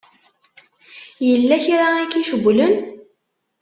Yella kra i k-icewwlen?